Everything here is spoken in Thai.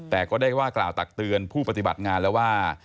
แต่ก็ได้ว่ากล่าวตักเตือนผู้ปฏิบัติงานแล้วว่า